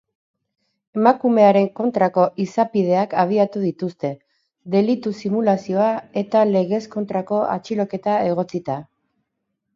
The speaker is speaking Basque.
Emakumearen kontrako izapideak abiatu dituzte, delitu simulazioa eta legez kontrako atxiloketa egotzita.